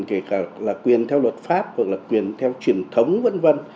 kể cả là quyền theo luật pháp hoặc là quyền theo truyền thống v v